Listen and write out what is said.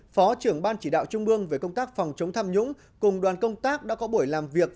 phó trưởng ban chỉ đạo trung mương về công tác phòng chống tham nhũng cùng đoàn công tác đã có buổi làm việc